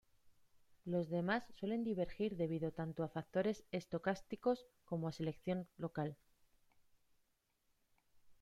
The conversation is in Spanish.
Los demás suelen divergir debido tanto a factores estocásticos como a selección local.